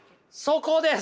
そこです！